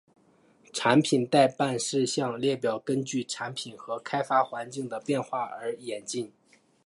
产品待办事项列表根据产品和开发环境的变化而演进。